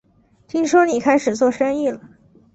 听说你开始做生意了